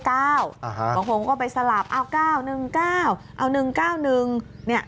บางคนก็ไปสลับเอา๙๑๙เอา๑๙๑เนี่ย